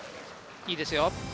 いいですよ。